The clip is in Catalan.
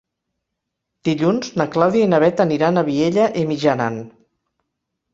Dilluns na Clàudia i na Bet aniran a Vielha e Mijaran.